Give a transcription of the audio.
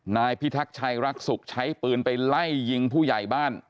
นายพิทักษ์ชัยรักษุกใช้ปืนไปไล่ยิงผู้ใหญ่บ้าน